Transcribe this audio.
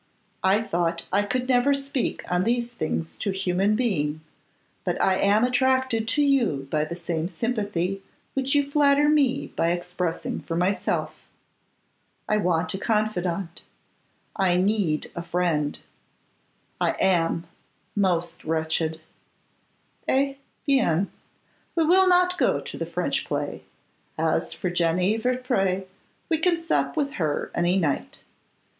I thought I could never speak on these things to human being, but I am attracted to you by the same sympathy which you flatter me by expressing for myself. I want a confidant, I need a friend; I am most wretched.' 'Eh! bien! we will not go to the French play. As for Jenny Vertpré, we can sup with her any night.